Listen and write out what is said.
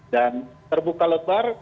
dan terbuka lotbar